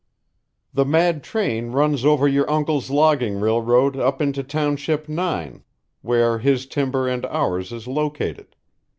"The mad train runs over your uncle's logging railroad up into Township Nine, where his timber and ours is located.